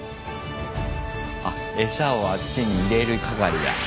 あエサをあっちに入れる係だ。